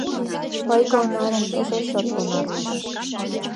Ойго онарын эше чот онарле.